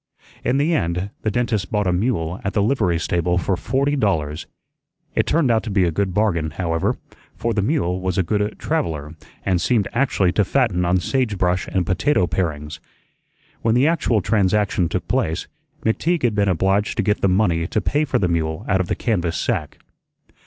In the end the dentist bought a mule at the livery stable for forty dollars. It turned out to be a good bargain, however, for the mule was a good traveller and seemed actually to fatten on sage brush and potato parings. When the actual transaction took place, McTeague had been obliged to get the money to pay for the mule out of the canvas sack.